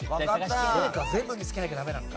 全部見つけなきゃダメなのか。